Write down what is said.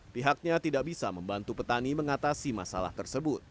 pihaknya tidak bisa membantu petani mengatasi masalah tersebut